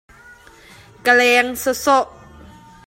Ka leng sawsawh.